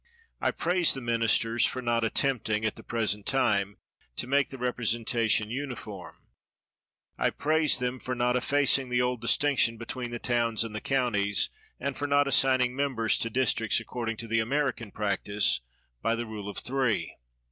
I praise the ministers for not attempting, at the present time, to make the representation uni form. I praise them for not effacing the old distinction between the towns and the counties, and for not assigning members to districts, ac cording to the American practise, by the Rule of Three.